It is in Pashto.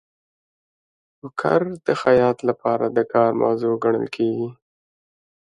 ټوکر د خیاط لپاره د کار موضوع ګڼل کیږي.